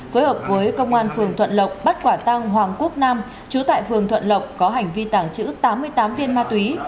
độc bắt quả tang hoàng quốc nam trú tại phường thuận lộc có hành vi tàng trữ tám mươi tám viên ma túy